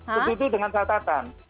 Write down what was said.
setuju dengan catatan